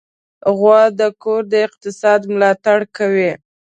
غوا د کور د اقتصاد ملاتړ کوي.